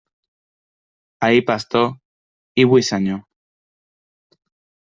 Ahir pastor i hui senyor.